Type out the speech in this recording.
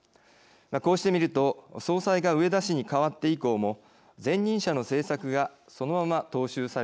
こうして見ると総裁が植田氏に代わって以降も前任者の政策がそのまま踏襲されているようです。